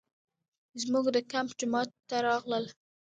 زموږ د کمپ جومات ته راغلل.